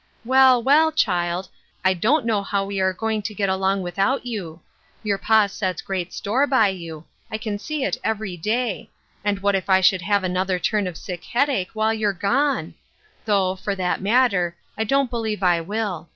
Well, well, child, I don't know how we are going to get along with out you. Your pa sets great store by you ; I can see it every day ; and what if I should have another turn of sick headache while you're gone ! Though, for that matter, I don't believe I will.